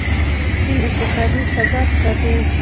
چین اقتصادي ثبات ساتي.